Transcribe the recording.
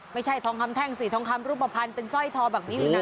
ไม่ใช่ทองขำแท่งสีทองขำรุ่มมาพันเป็นแจ้วทองแบบนี้